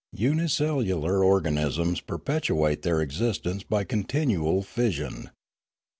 Unicellular organisms perpetuate their exist ence by continual fission.